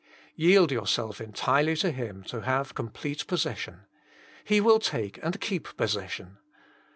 Yield yourself entirely to Him to have com plete possession. He will take and keep possession.